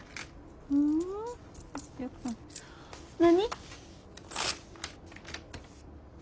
何？